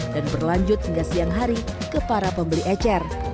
dan berlanjut hingga siang hari ke para pembeli ecer